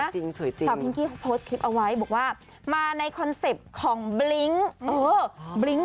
สวยจริงสวยจริงต่อพ้ายก็โพสต์คลิปเอาไว้บอกว่ามาในของบลิงค์